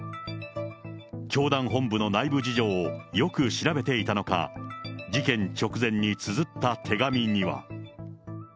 教団本部の内部事情をよく調べていたのか、事件直前につづった手紙には。